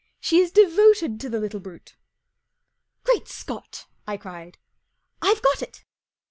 She is devoted to the little brute." " Great Scot !" I cried. 44 I've got it